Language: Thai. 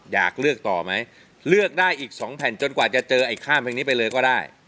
อยากเลือกต่อไหมเลือกได้อีก๒แผ่นจนกว่าจะเจอไอ้ข้ามเพลงนี้ไปเลยก็ได้